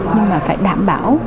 nhưng mà phải đảm bảo là du khách